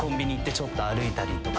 ちょっと歩いたりとか。